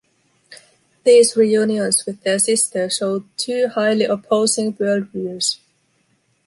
These reunions with their sister show two highly opposing world views.